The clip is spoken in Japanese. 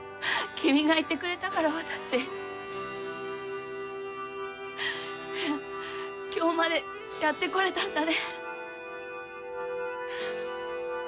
君がいてくれたから私ううっははっ今日までやってこれたんだね。